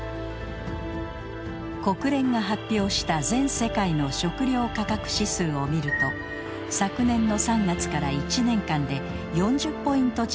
国連が発表した全世界の食料価格指数を見ると昨年の３月から１年間で４０ポイント近く上昇。